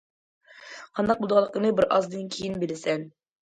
- قانداق بولىدىغانلىقىنى بىر ئازدىن كېيىن بىلىسەن.